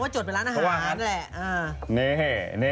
จดไปร้านอาหารแหล่ะ